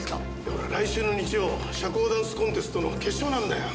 ほら来週の日曜社交ダンスコンテストの決勝なんだよ。